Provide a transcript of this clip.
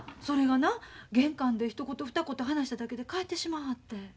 それがな玄関でひと言ふた言話しただけで帰ってしまわはって。